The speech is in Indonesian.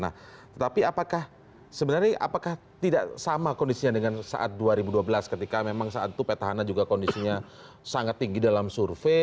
nah tetapi apakah sebenarnya apakah tidak sama kondisinya dengan saat dua ribu dua belas ketika memang saat itu petahana juga kondisinya sangat tinggi dalam survei